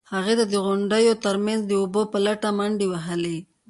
هغې د غونډیو ترمنځ د اوبو په لټه منډې وهلې.